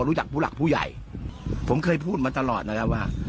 รู้จักผู้หลักผู้ใหญ่ผมเคยพูดมาตลอดนะครับว่า